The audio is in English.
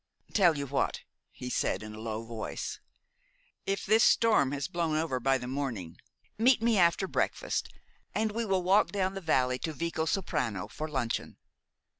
"Tell you what," he said in a low voice, "if this storm has blown over by the morning, meet me after breakfast, and we will walk down the valley to Vicosoprano for luncheon.